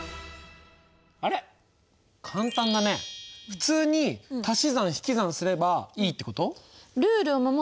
普通に足し算引き算すればいいってこと？